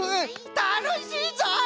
たのしいぞい！